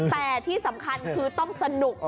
แต่ที่สำคัญคือต้องสนุก